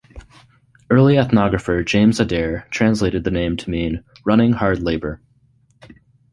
Early ethnographer James Adair translated the name to mean "running hard labor".